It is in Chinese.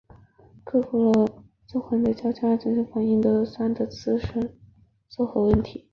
克服了做醛的交叉羟醛反应时醛的自身缩合问题。